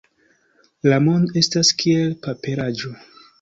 La mondo estas kiel paperaĵo.